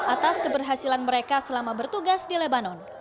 atas keberhasilan mereka selama bertugas di lebanon